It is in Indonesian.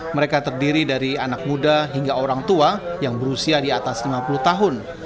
mereka terdiri dari anak muda hingga orang tua yang berusia di atas lima puluh tahun